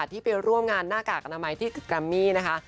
ที่ไปร่วมงานหน้ากากอนามัยที่กรัมมี่นะคะ